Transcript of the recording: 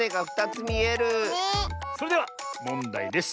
それではもんだいです。